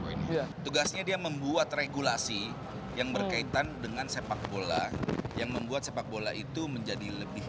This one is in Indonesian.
ini tugasnya dia membuat regulasi yang berkaitan dengan sepak bola yang membuat sepak bola itu menjadi lebih